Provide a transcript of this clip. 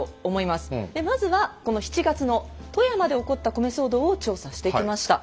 まずはこの７月の富山で起こった米騒動を調査してきました。